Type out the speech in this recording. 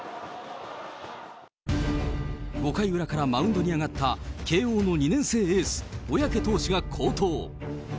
５回裏からマウンドに上がった慶応の２年生エース、小宅投手が好投。